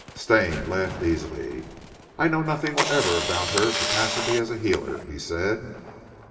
Stane laughed easily. "I know nothing whatever about her capacity as a healer," he said.